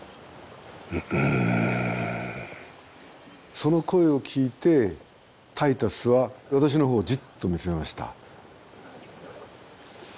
その声を聞いてタイタスは私のほうをじっと見つめました。